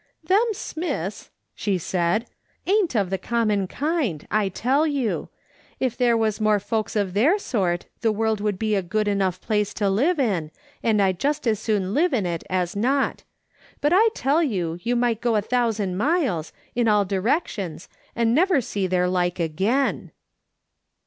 " Them Smiths," she said, " ain't of the common kind, I tell you ; if there was more folks of their sort the world would be a good enough place to live in, and I'd just as soon live in it as not. But I tell you you might go a thousand miles, in all directions, and never see their like again."